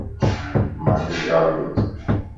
مانجي ڳالھ ٻُڌ